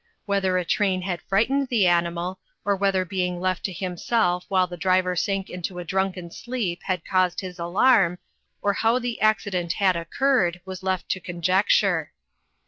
Whether a train bad fright ened the animal, or whether being left to himself while the driver sank into a drunken sleep had caused his alarm, or how the ac cident had occurred, was left to conjecture.